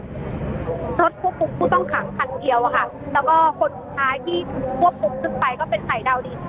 รถควบคุมผู้ต้องขังคันเดียวอะค่ะแล้วก็คนสุดท้ายที่ถูกควบคุมขึ้นไปก็เป็นภัยดาวดิน